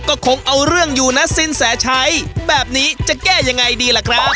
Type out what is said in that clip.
ก็คงเอาเรื่องอยู่นะสินแสชัยแบบนี้จะแก้ยังไงดีล่ะครับ